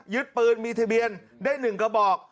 ยึดปืนมีทะเบียนได้หนึ่งกระบอก